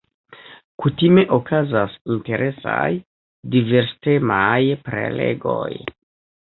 Kutime okazas interesaj, diverstemaj prelegoj.